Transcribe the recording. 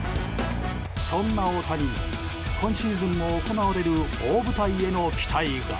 そんな大谷に今シーズンも行われる大舞台への期待が。